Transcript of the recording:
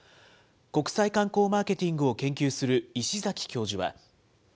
国際観光マーケティングを研究する石崎教授は。